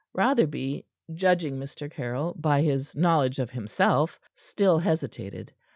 Rotherby, judging Mr. Caryll by his knowledge of himself, still hesitated.